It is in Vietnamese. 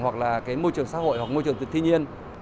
hoặc là cái môi trường xã hội hoặc môi trường thiên nhiên